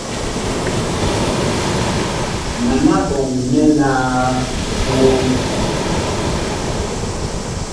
Mana ɓɔŋ nɛ laa woŋ ?